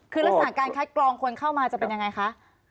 คือลักษณะการคัดกรองคนเข้ามาจะเป็นยังไงคะ